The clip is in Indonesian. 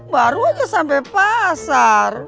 baru aja sampai pasar